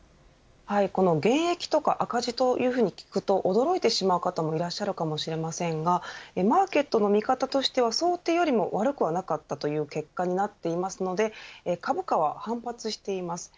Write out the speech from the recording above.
この減益とか赤字というふうに聞くと驚いてしまう方もいらっしゃるかもしれませんがマーケットの見方としては想定よりも悪くなっかったという結果になっていますので株価は反発しています。